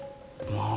まあ